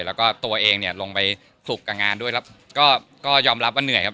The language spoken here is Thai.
แล้วก็ตัวเองเนี่ยลงไปขลุกกับงานด้วยแล้วก็ยอมรับว่าเหนื่อยครับ